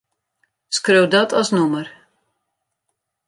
Skriuw dat as nûmer.